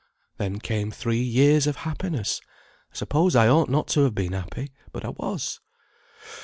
Then came three years of happiness. I suppose I ought not to have been happy, but I was.